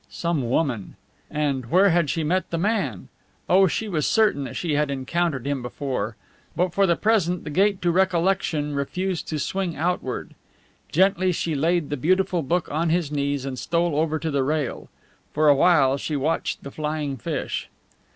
Some woman! And where had she met the man? Oh, she was certain that she had encountered him before! But for the present the gate to recollection refused to swing outward. Gently she laid the beautiful book on his knees and stole over to the rail. For a while she watched the flying fish.